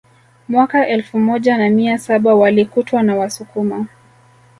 Mwaka elfu moja na mia saba walikutwa na Wasukuma